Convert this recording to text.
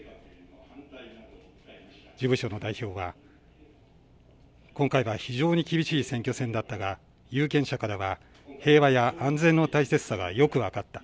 事務所の代表は今回は非常に厳しい選挙戦だったが有権者からは平和や安全の大切さがよく分かった。